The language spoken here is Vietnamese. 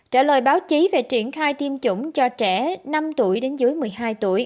trả lời báo chí về triển khai tiêm chủng cho trẻ năm tuổi đến dưới một mươi hai tuổi